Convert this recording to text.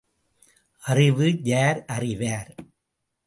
அறிவு யார் அறிவார்?